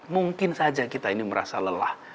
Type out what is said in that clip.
mungkin saja kita ini merasa lelah